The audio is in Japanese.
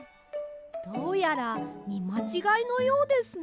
どうやらみまちがいのようですね。